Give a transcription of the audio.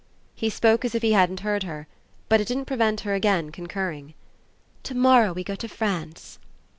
He spoke as if he hadn't heard her; but it didn't prevent her again concurring. "To morrow we go to France."